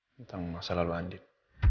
tentang masalah luandin